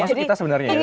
masuk kita sebenarnya ya